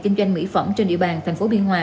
kinh doanh mỹ phẩm trên địa bàn tp biên hòa